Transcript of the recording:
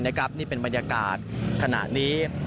นี่เป็นบรรยากาศขณะนี้